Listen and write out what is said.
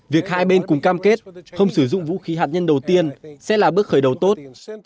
việc hai bên cùng cam kết không sử dụng vũ khí hạt nhân đầu tiên sẽ là bước khởi đầu tốt